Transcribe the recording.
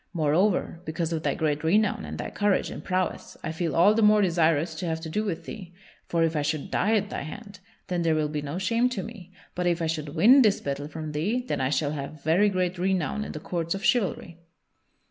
Moreover, because of thy great renown and thy courage and prowess, I feel all the more desirous to have to do with thee; for if I should die at thy hand, then there will be no shame to me, but if I should win this battle from thee, then I shall have very great renown in the courts of chivalry."